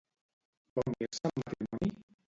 Va unir-se en matrimoni?